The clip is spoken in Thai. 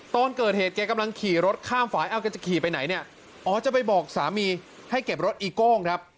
ตอนเกิดเหตุแกกำลังขี่รถข้ามฝ่ายเอาแกจะขี่ไปไหนเนี่ยอ๋อจะไปบอกสามีให้เก็บรถอีโก้งครับ